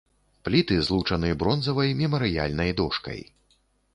Пліты злучаны бронзавай мемарыяльнай дошкай.